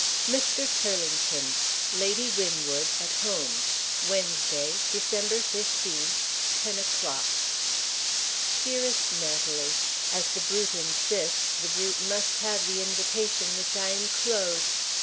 MR. TURLINGTON, LADY WINWOOD At Home. Wednesday, December 15th. Ten o'clock. "Dearest Natalie As the brute insists, the brute must have the invitation which I inclose.